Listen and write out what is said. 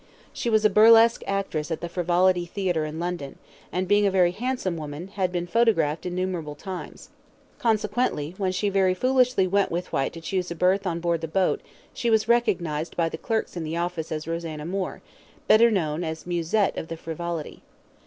She was a burlesque actress at the Frivolity Theatre in London, and, being a very handsome woman, had been photographed innumerable times. Consequently, when she very foolishly went with Whyte to choose a berth on board the boat, she was recognised by the clerks in the office as Rosanna Moore, better known as Musette of the Frivolity.